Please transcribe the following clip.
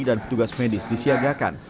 dan petugas medis disiagakan